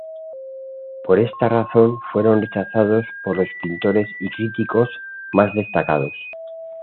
Por esta razón, fueron rechazados por los pintores y críticos más destacados.